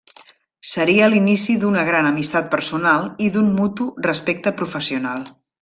Seria l'inici d'una gran amistat personal i d'un mutu respecte professional.